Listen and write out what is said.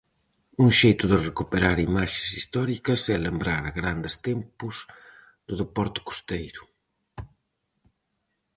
Un xeito de recuperar imaxes históricas e lembrar grandes tempos do deporte costeiro.